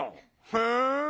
へえ。